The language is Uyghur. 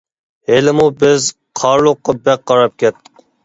ھېلىمۇ بىز قارلۇققا بەك قاراپ كەتتۇق.